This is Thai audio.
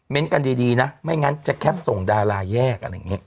เม้นท์กันดีนะไม่งั้นจะแคบส่งดาราแยก